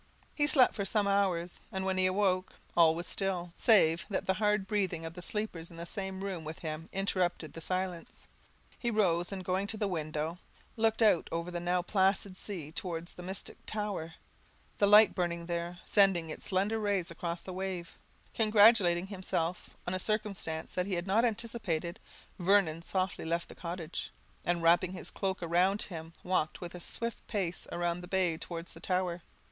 He slept for some hours; and when he awoke, all was still, save that the hard breathing of the sleepers in the same room with him interrupted the silence. He rose, and going to the window, looked out over the now placid sea towards the mystic tower; the light burning there, sending its slender rays across the waves. Congratulating himself on a circumstance he had not anticipated, Vernon softly left the cottage, and, wrapping his cloak round him, walked with a swift pace round the bay towards the tower.